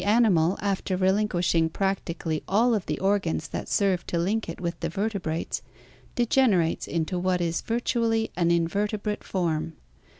animal, after relinquish ing practically all of the organs that serve to link it with the vertebrates, degenerates into what is virtually an invertebrate form.